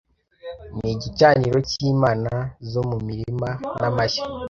ni igicaniro cyimana zo mumirima n'amashyo